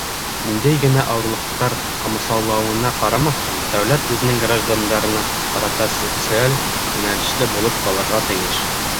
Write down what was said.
— Ниндәй генә ауырлыҡтар ҡамасаулауына ҡарамаҫтан, дәүләт үҙенең граждандарына ҡарата социаль йүнәлешле булып ҡалырға тейеш.